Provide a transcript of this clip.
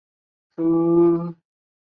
圣伊莱尔拉格拉韦勒。